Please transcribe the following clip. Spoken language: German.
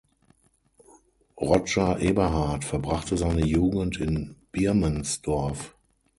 Roger Eberhard verbrachte seine Jugend in Birmensdorf.